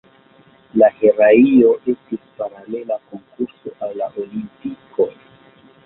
La heraio estis paralela konkurso al la Olimpikoj.